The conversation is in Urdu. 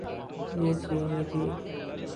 یہ چینی تھے۔